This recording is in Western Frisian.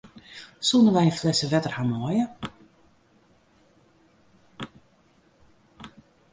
Soenen wy in flesse wetter hawwe meie?